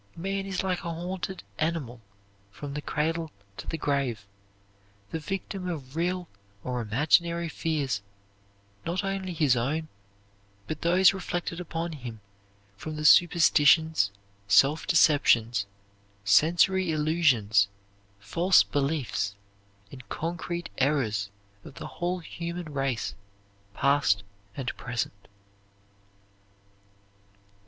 Man is like a haunted animal from the cradle to the grave, the victim of real or imaginary fears, not only his own, but those reflected upon him from the superstitions, self deceptions, sensory illusions, false beliefs, and concrete errors of the whole human race, past and present."